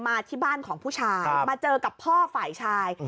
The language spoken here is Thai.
มาที่บ้านของผู้ชายมาเจอกับพ่อฝ่ายชาย